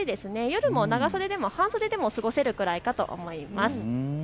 夜は半袖でも過ごせるくらいかと思います。